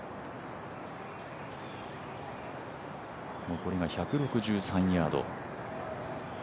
残りが１６３ヤード。